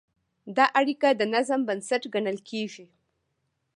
دا اړیکه د نظم بنسټ ګڼل کېږي.